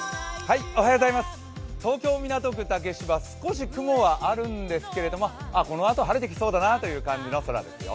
東京・港区竹芝、少し雲はあるんですけれどもこのあと晴れてきそうだなという感じの空ですよ。